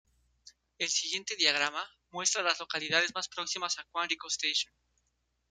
El siguiente diagrama muestran las localidades más próximas a Quantico Station.